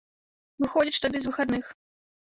Выходзіць, што без выхадных.